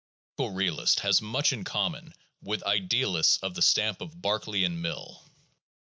The critical realist has much in common with idealists of the stamp of Berkeley and Mill.